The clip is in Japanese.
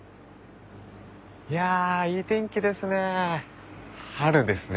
いやいい天気ですね。